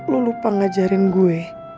lo lupa ngajarin gue